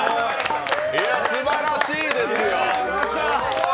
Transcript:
すばらしいですよ。